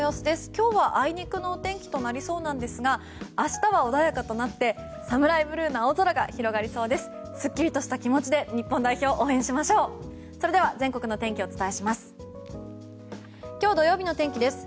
今日はあいにくのお天気となりそうなんですが明日は穏やかとなってＳＡＭＵＲＡＩＢＬＵＥの青空が広がりそうです。